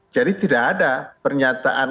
jadi tidak ada pernyataan